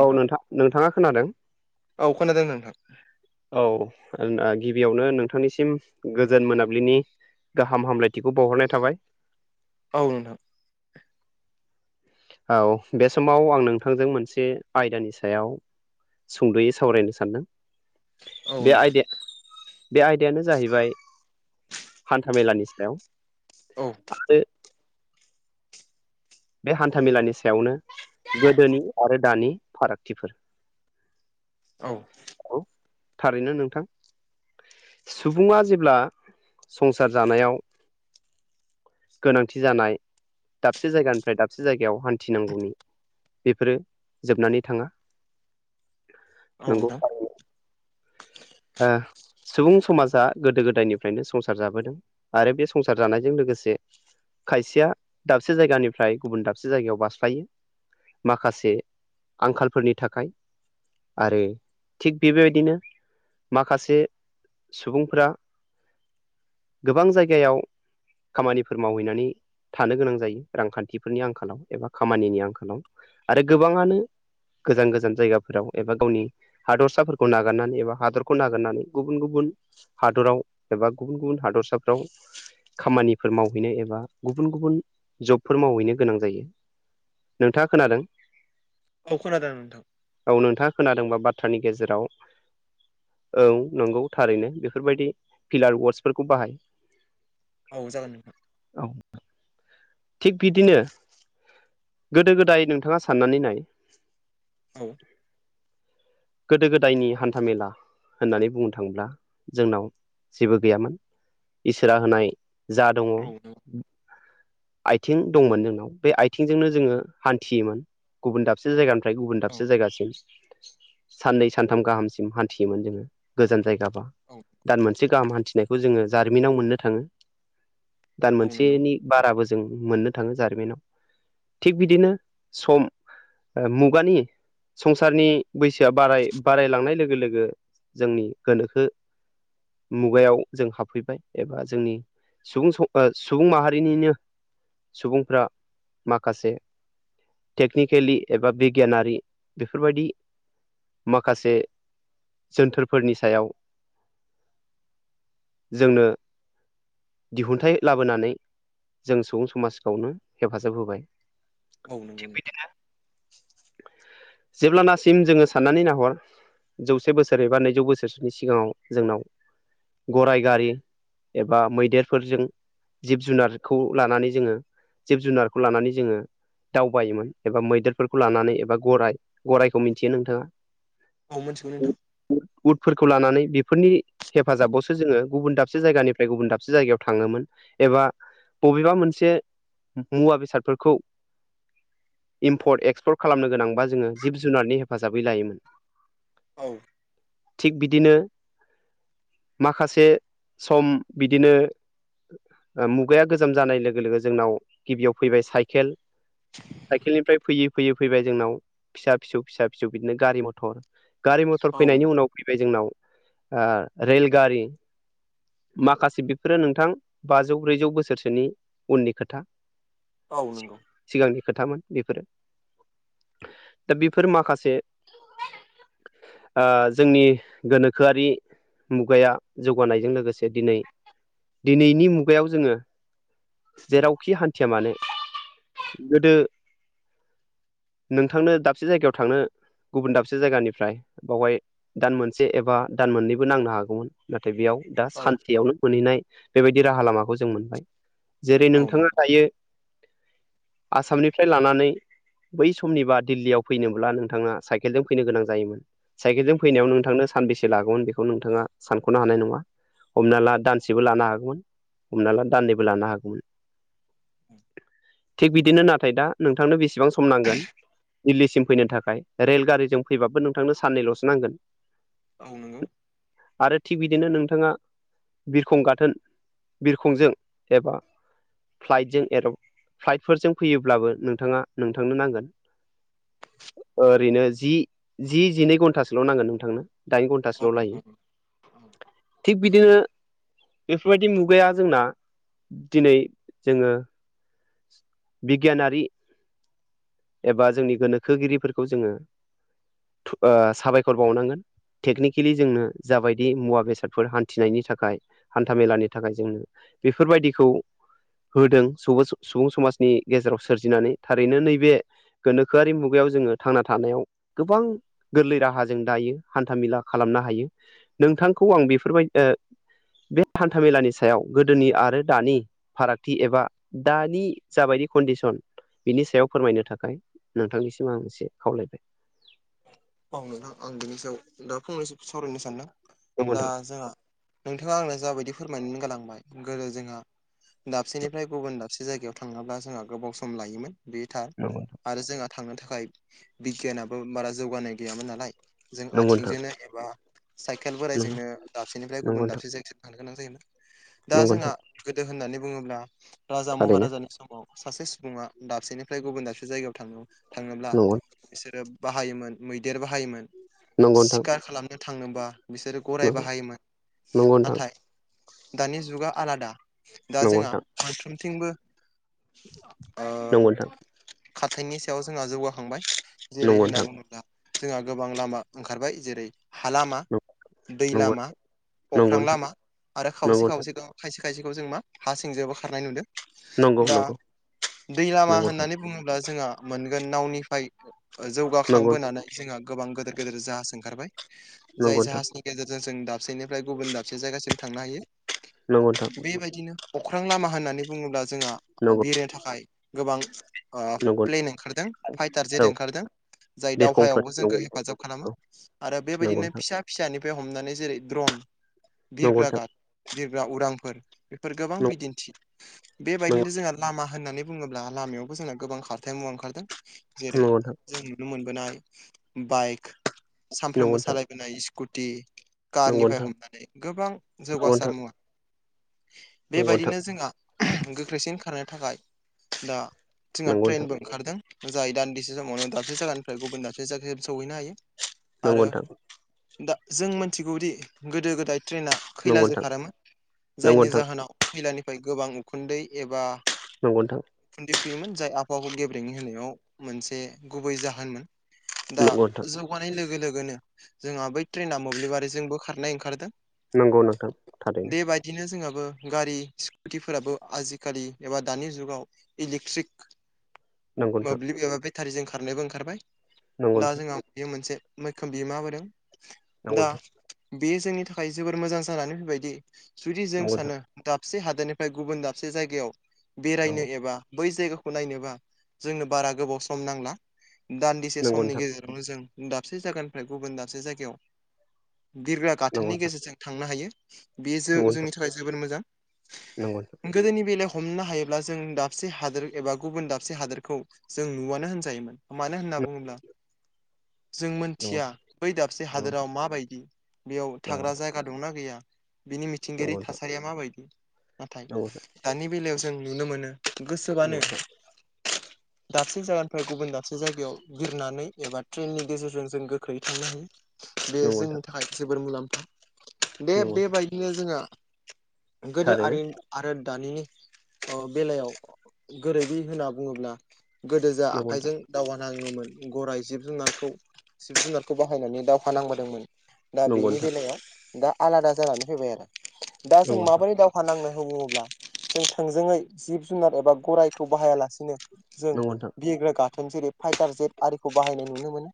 औ नोंथां। नोंथाङा खोनादों? औ खोनादों नोंथां। औ आं ओ गिबियावनो नोंथांनिसिम गोजोन मोनाबिलिनि गाहाम हामलायथिखौ बावहरनाय थाबाय। औ नों थां। औ बे समाव आं नोंथांजों मोनसे आयदानि सायाव सुंद'यै सावरायनो सानदों औ बे नोंथां आयदाया बे आयदायानो जाहैबाय हान्थामेलानि सायाव औ [unintelligible] बे हान्थामेलानि सायावनो गोदोनि आरो दानि फारागथिफोर औ औ थारैनो नोंथां सुबुङा जेब्ला संसार जानायाव गोनांथि जानाय दाबसे जायगानि फ्राय दाबसे जायगायाव हान्थिनांगौनि बेफोरो जोबनानै थाङा। औ नोंगौ नोंथां ओ सुबुं समाजा गोदो गोदायनिफ्रायनो संसार जाबोदों। आरो बे संसार जानायजों लोगोसे खायसेया दाबसे जायगानिफ्राय गुबुन दाबसे जायगायाव बासस्लायो। माखासे आंखालफोरनि थाखाय। आरो थिग बेबायदिनो माखासे सुबुंफोरा गोबां जायगायाव खामानिफोर मावहैनानै थानो गोनां जायो रांखान्थिफोरनि आंखालाव। एबा खामानिनि आंखालाव आरो गोबाङानो गोजान गोजान जायगाफोराव एबा गावनि हादरसाफोरखौ नागारनानै एबा हादर खौ नागिरनानै गुबुन गुबुन हादराव एबा गुबुन गुबुन हादरसाफ्राव खामानिफोर मावहैनो एबा गुबुन गुबुन जबफोर मावहैनो गोनां जायो। नोंथाङा खोनादों। अखोनादोंन नोंथां। औ नोंथाङा खोनादोंबा बाथ्रानि गेजेराव औ नंगौ थारैनो बेफोरबायदि फिलार वासफोरखौ बाहाय औ जागोन नोंथां। औ थिग बिदिनो गोदो गोदाय नोंथाङा साननानै नाय औ गोदो गोदायनि हान्थामेला होननानै बुंनो थाङोब्ला जोंनाव जेबो गैयामोन। इसोरा होनाय जा दङ। औ आथिं दंमोन नोंनाव बे आथिंजोंनो जोङो हान्थियोमोन गुबुन दाबसे जायगानि ओमफ्राय गुबुन औ दाबसे जायगासिम साननै सानथाम गाहामसिम हान्थियोमोन जोङो गोजान जायगाबा औ दान मोनसे गाहाम हान्थिनायखौ जोङो जारिमिनाव मोननो थाङो दान औ नंगौ मोनसेनि- बाराबो जों मोननो थाङो जारिमिनाव थिग बिदिनो सम मुगानि संसारनि बैसो बाराय बारायलांनाय लोगो लोगो जोंनि गोनोखो मुगायाव जों हाबफैबाय एबा जोंनि सुबुं सुबुं माहारिनिनो सुबुंफ्रा माखासे टेकनिकेलि एबा बिगियानारि बेफोरबायदि माखासे जोनथोरफोरनि सायाव जोंनो दिहुनथाइ लाबोनानै जों सुबुं समाजखौनो हेफाजाब होबाय। औ नंगौ थि नोंथां बिदिनो जेब्लाना सिम जोङो साननानै नाहर जौसे बोसोर एबा नैजौ बोसोरसोनि सिगाङाव जोंनाव गरराय गारि एबा मैदेरफोरजों जिब जुनारखौ लानानै जोङो जिब जुनारखौ लानानै जोङो दावबायोमोन एबा मैदेरफोरखौ लानानै एबा गराइ गराइखौ मिथियो नोंथाङा औ मोनथिगोन नोंथां। उदफोरखौ लानानै बेफोरनि हेफाजाबावसो जोङो गुबुन दाबसे जायगानिफ्राय गुबुन दाबसे जायगायाव थाङोमोन एबा बबेबा मोनसे मुवा बेसादफोरखौ इम्पर्ट एक्सपर्ट खालामनो गोनांबा जोङो जिब जुनारनि हेफाजाबै लायोमोन। औ थिग बिदिनो माखासे सम बिदिनो मुगाया गोजाम जानाय लोगो लोगो जोंनाव गिबियाव फैबाय साइकेल साइकेलनिफ्राय फैयै फैयै फैबाय जोंनाव फिसा फिसौ फिसा फिसौ बिदिनो गारि मथर गारि मथर औ फैनायनि उनाव फैबाय जोंनाव रेलगारि माखासे बेफोरो नोंथां बाजौ ब्रैजौ बोसोरसोनि उननि खोथा। औ नोंगौ। सिगांनि खोथामोन बेफोरो दा बेफोर माखासे जोंनि गोनोखोआरि मुगाया जौगानायजों लोगोसे दिनै दिनैनि मुगायाव जोङो जेरावखि हान्थिया मानो। गोदो नोंथांनो दाबसे जायगायाव थांनो गुबुन दाबसे जायगानिफ्राय बावहाय दान मोनसे एबा दान मोननैबो नांनो हागौमोन। नाथाय बेयाव दा औ सानसेयावनो मोनहैनाय बेबायदि राहा लामाखौ जों मोनबाय जेरै औ नोंथाङा नंगौ थायो आसामनिफ्राय लानानै बै समनिबा दिल्लीयाव फैनोब्ला नोंथाङा साइकेलजों फैनो गोनां जायोन साइकेलजों फैनायाव नोंथांनो सानबेसे लागौमोन बे खौ नोंथाङा सानख'नो हानाय नङा। हमना ला दानसेबो लानो हागौमोन हमना ला दान्नैबो लानो हागौमोन औ थिग बिदिनो नाथाय दा नोंथांनो बेसेबां सम नांगोन दिल्लीसिम फैनो थाखाय रेलगारिजों फैबाबो नोंथांनो साननैल'सो नांगोन। औ नंगौ। आरो थिग बिदिनो नोंथाङा बिरखं गाथोन बिरखंजों एबा फ्लाइटजों ए फ्लाइटफोरजों फैयोब्लाबो नोंथाङा नोंथांनो नांगोन। ओरैनो जि जि जिनै घन्टासोल' नांगोन नोंथांनो दाइन औ घन्टासोल' लायो। थिग बिदिनो बेफोरबायदि मुगाया जोंना दिनै जोङो बिगियानारि एबा जोंनि गोनोखोगिरिफोरखौ जोङो साबायखर बावनांगोन। टेकनिकेलि जोंनो जाबायदि मुवा बेसादफोर हान्थिनायनि थाखाय हान्थाामेलानि थाखाय जोंनो बेफोरबायदिखौ होदों स सुबुं समाजनि गेजेराव सोरजिनानै थारैनो नैबे गोनोखोआरि मुगायाव जोङो थांना थानायाव गोबां गोरलै राहाजों दायो हान्थामेला खालामनो हायो नोंथांखौ आं बेफोरबायदि ओं बे हान्था मेलानि सायाव गोदोनि आरो दानि फारागथि एबा दानि जाबायदि कन्डिसन बिनि सायाव फोरमायनो थाखाय नोंथांनिसिम आं एसे खावलायबाय। बावनोां आं बिनि सायाव दा फंनैसो सावरायनो सानदों नंगौ दा नोंथां जोंहा नोंथाङा आंना जाबायदि फोरमायनानै गालांबाय गोदो जोंहा दाबसेनिफ्राय गुबुन दाबसे खाबसे जायगायाव थाङाब्ला जोंहा गोबाव सम लायोमोन बे थार। लोगो आरो जोंहा थांनो थाखाय बिगियानाबो बारा जौगानाय गैयामोन नालाय जों नंगौ नोंथां आथिंजोंनो एबा साइकेल नंगौ बोराइजोंनो दाबसेनिफ्राय नंगौ गुबुन नोंथां दाबसे जायगासिम नो गोनां जायोमोन दा नंगौ जोंहा नोंथां गोदो होननानै बुङोब्ला राजा थारैनो महाराजानि समाव सासे सुबुङा दाबसेनिफ्राय गुबुन दाबसे जायगायाव थां थाङोब्ला नंगौ बिसोरो बाहायोमोन मैदेर बाहायोमोन नंगौ नोंथां सिखार खालामनो थांनोबा बिसोरो गराय नंगौ बाहायोमोन नंगौ नाथाय दानि जुगा आलादा दा जोंहा नोंथां मोनफ्रोमथिंबो ओं नंगौ नोंथां नंगौ नोंथां खाथायनि सायाव जोंहा जौगाखांबाय जेरै नंगौ नोंथां होनना बुङोब्ला जोंहा गोबां लामा ओंखारबाय जेरै हालामा दै नंगौ लामा नंगौ अख्रां नोंथां लामा आरो खावसे नंगौ नोंथां खावसेखौ दं खायसे खायसेखौ जों मा हा सिंजोंाबबो खारनाय नुदों। नंगौ दा नंगौ दै लामा नंगौ होननानै बुङोब्ला जोंहा मोनगोन नावनिफ्राय नंगौ जौगाखांबोनानै जोंहा गोबां गेदेर गेदेर जाहाज ओंखारबाय जाय नंगौ नोंथां जाहाजनि गेजेरजों जों दाबसेनिफ्राय गुबुन दाबसे जायगासिम थांनो हायो नंगौ नोंथां बेबायदिनो अख्रां लामा होननानै बुङोब्ला जोंहा नंगौ बिरनो थाखाय गोबां ओ नंगौ प्लेन ओंखारदों फाइटार जेट नोंथां औ ओंखारदों जाय दाव बिरखंफोर हायावबो नंगौ जोंखौ नोंथां हेफाजाब खालामो औ आरो नंगौ बेबायदिनो फिसा फिसानिफ्राय हमनानै जेरै द्रन बिरग्रा नोंथां गार बिरग्रा उरांफोर बेफोर गोबां बिदिन्थि नंगौ बेबायदिनो जोंहा लामा होननानै बुङोब्ला लामायावबो जोंना गोबां खारथाय मुवा ओंखारदों जेरै नोंथां जों नुनो मोनबोनाय बाइक नंगौ सानफ्रोमबो नोंथां सालायबोनाय स्कुटि कारनिफ्राय नंगौ हमनानै गोबां जौगासार नोंथां मुवा नंगौ नोंथां बेबायदिनो जोंहा गोख्रैसिन खारनो थाखाय दा जोंहा नंगौ नोंथां ट्रेनबो ओंखारदों। जायै दान्दिसे समावनो दाबसे जायगानिफ्राय गुबुन दाबसे जायायाव सौहैनो हायो। नंगौ आरो नोंथां दा जों मिथिगौदि गोदो गोदाय ट्रेना खैलाजों खारोमोन नंगौ जायनि नोंथां जाहोनाव खैलानिफ्राय गोबां उखुन्दै एबा नंगौ नोंथां। खुन्न्दैफुयोमोन जाय आबहावाखौ गेब्रेै होनायाव मोनसे गुबै जाहोनमोन दा जौगानाय लोगो लोगोनो जोंहा बै ट्रेना मोब्लिबारिजोंबो खारनाय ओंखारदों। नंगौ नोंथां थारैनो। बिदिनो जोंहाबो गारि स्कुटिफोराबो आजिखालि एबा दानि जुगाव इलेकट्रिक [inaudible] नोंथां मोब्लिब एबा बेटारिजों खारनायबो ओंखारबाय नंगौ दा जोंहा बियो मोनसे मैखोम बिहोमाहोदों दा नोंथां बेयो जोंनि थाखाय जोबोर मोजां जानानै फैबायदि जुदि जों नंगौ नोंथां सानो दाबसे हादोरनिफ्राय गुबुन दाबसे जायगायाव नंगौ बेरायनो एबा बै जायगाखौ नायनोबा जोंनो बारा गोबाव सम नांला दान्दिसे समनि नोंथां गेजे रावनो जों दाबसे जायगानिफ्राय गुबुन दाबसे जायगायाव बिरग्रा नंगौ नंगौ नोंथां नंगौ गाथोननि नोंथां गेजेरजों थांनो हायो बेयो नंगौ नोंथां जों जोंनि थाखाय जोबोर मोजां नंगौ नोंथां गोदोनि बेलायाव हमनो हायोब्ला जों दाबसे हादोर एबा गुबुन दाबसे हादोरखौ जों नुआनो होनजायोमोन मानो होना बुङोब्ला जों नंगौ मोनथिया नोंथां बै दाबसे नंगौ नोंथां हादोराव माबायदि बेयाव नंगौ नोंथां नंगौ नोंथां थाग्रा जायगा दंना गैया बिनि नंगौ मिथिंगायारि थासारिया माबायदि नाथाय नोंथां दानि बेलायाव जों नुनो मोनो गोसोबानो दाबसे जायगानिफ्राय गुबुन दाबसे जायगायाव बिरनानै एबा ट्रेननि गेजेरजों जों गोख्रै थांनो हायो बे नंगौ जोंनि थाखाय जोबोर मुलाम्फा दे नोंथां बेबायदिनो जोंङाहा गोदो थारैनो आरि आरो दानिनि ओ बेलायाव गोरोबै होनना बुङोब्ला गोदो जा नंगौ नोंथां आखाइजों दावगानाङोमोन गराइ जिब जुनारखौ जिब जुनारखौ बाहायनानै दावहा नांबोदोंमोन दा नंगौ बेनि नोंथां बेलायाव दा आलादा जानानै फैबाय आरो दा जों माबोरै दा फानांनो होबायोब्ला जों थोंजोङै जिब जुनार एबा गराइखौ बाहायालासिनो जों नंगौ नोंथां बिग्रा गाथोन जेरै फाइटार जेट आरिखौ बाहायनाय नुनो मोनो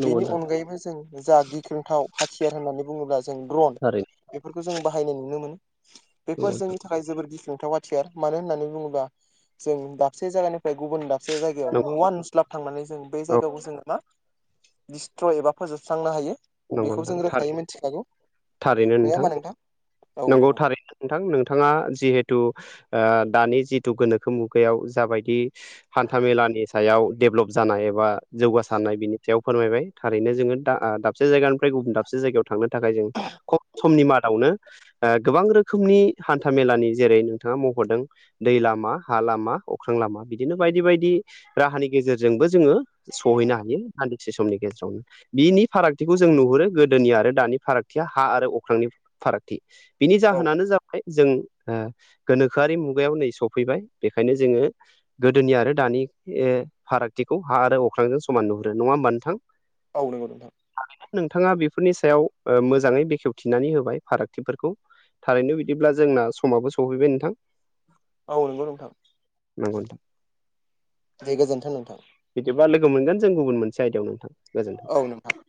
नंगौ बेनि नोंथां नंगौ नोंथां अनगायैबो जों जा गिख्रोंथाव हाथियार होननानै बुङोब्ला जों द्रन थारैनो बेफोरखौ जों बाहायनाय नुनो मोनो नंगौ बेफोर जोंनि था खाय जोबोर गिस्रंथाव आाथिार मानो होननानै बुङोब्ला जों दाबसे जायगानिफ्राय गुबुन दाबसे जायगायाव नोंथां नुवा नुस्लाब थांनानै जों बे औ जायगाखौ जोङो मा दिडिस्ट्र' एबा फोजोबस्रांनो हायो। नंगौ बेखौ नोंथां जों रोखायै थारैनो मिथिखागौ नङा होमबा नोंथां औ नंगौ नोंथां। थारैनो नोंथां नोंथाङा जिहेथु ओ दानि जिथु गोनोखो मुगायाव जाबायदि हान्था मेलानि सायाव डेभलप जानाय एबा जौगासारनाय बिनि सायाव फोरमायबाय थारैनो जोङो दा दा दाबसे जायगानिफ्राय गुबुन दाबसे जायगायाव थांनो थाखाय जों खम समनि मादावनो गोबां रोखोमनि हान्था मेलानि जेरै नोंथाङा मखदों दै लामा हा लामा अख्रां लामा बिदिनो बायदि बायदि राहानि गेजेरजों जोंबो जोङो सहैनो हायो दान्दिसे समनि गेजेरावनो बिनि फाराग थिखौ जों नुहुरो गोदोनि आरो दानि फारागथिया हा आरो अख्रांनि फारागथि। बिनि औ जाहोनानो जाबाय जों ओ गोनोखोआरि मुगायाव नै सफैबाय बेखायनो जोङो गोदोनि आरो दानि फारागथिखौ हा आरो अख्रांजों समान नुहुरो नङा होमबा नोंथां। औ नंगौ नोंथां नोंथाङा बेफोरनि सायाव मोजाङै बेखेवथिनानै होबाय फारागथिफोरखौ थारैनो बिदिब्ला जोंना समाबो सौहैबाय नोंथां औ नोंगौ नोंथां नंगौ नोंथां दे गोजोन्थों नोंथां बिदिबा लोगो मोनगोन जों गुबुन मोनसे आयदायाव नोंथां गोजोन्थों औ नोंथां